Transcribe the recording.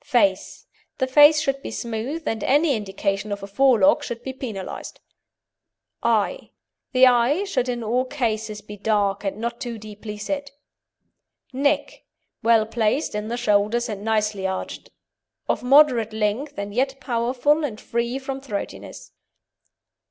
FACE The face should be smooth, and any indication of a forelock should be penalised. EYE The eye should in all cases be dark and not too deeply set. NECK Well placed in the shoulders and nicely arched, of moderate length and yet powerful and free from throatiness.